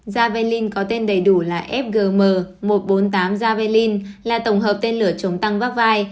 jabalin có tên đầy đủ là fgm một trăm bốn mươi tám javelin là tổng hợp tên lửa chống tăng vaci